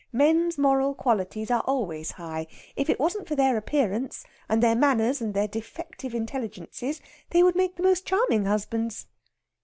Men's moral qualities are always high. If it wasn't for their appearance, and their manners, and their defective intelligences, they would make the most charming husbands."